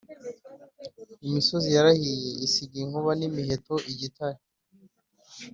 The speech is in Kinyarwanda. Imisozi yarahiye isiga inkuba n'imiheto-Igitare.